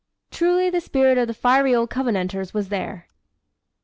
Truly the spirit of the fiery old Covenanters was there!